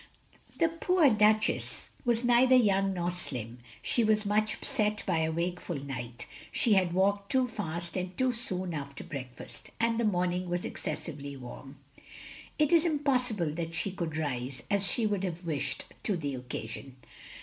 The poor Duchess was neither young nor slim; she was much upset by a wakeful night ; she had walked too fast and too soon after breakfast ; and the morning was excessively warm. It was impossible that she could rise, as she would have wished, to the occasion.